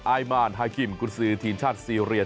อายมานฮาคิมกุญสือทีมชาติซีเรีย